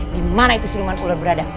dimana itu siluman ular berada